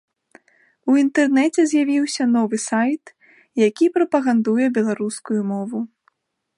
У інтэрнэце з'явіўся новы сайт, які прапагандуе беларускую мову.